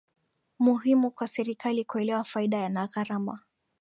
muhimu kwa serikali kuelewa faida na gharama